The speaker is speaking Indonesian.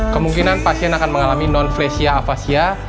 kemungkinan pasien akan mengalami non flesia afasia